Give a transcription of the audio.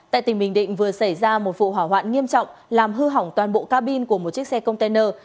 tại tỉnh bình định vừa xảy ra một vụ hỏa hoạn nghiêm trọng làm hư hỏng toàn bộ ca bin của một chiếc xe container